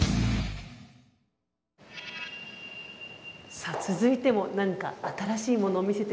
さあ続いても何か新しいものを見せて頂けそうです。